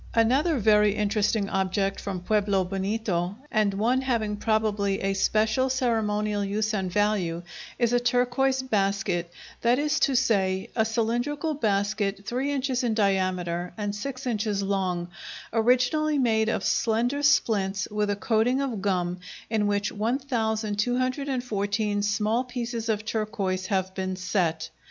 Another very interesting object from Pueblo Bonito, and one having probably a special ceremonial use and value, is a turquoise basket,—that is to say, a cylindrical basket three inches in diameter and six inches long, originally made of slender splints with a coating of gum in which 1214 small pieces of turquoise have been set.